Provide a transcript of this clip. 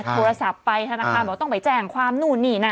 โทรศัพท์ไปธนาคารบอกต้องไปแจ้งความนู่นนี่นั่น